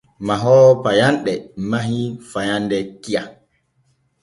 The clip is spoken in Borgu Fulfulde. Mahoowo payanɗe mahii faande kiya.